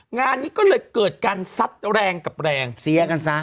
งานนี้ก็เลยเกิดการซัดแรงกับแรงเสียกันซะ